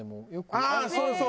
ああそうそう。